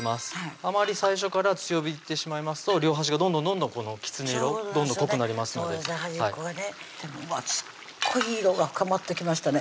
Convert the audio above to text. あまり最初から強火でいってしまいますと両端がどんどんどんどんきつね色濃くなりますのですっごい色が深まってきましたね